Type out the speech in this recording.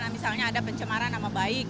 misalnya ada pencemaran nama baik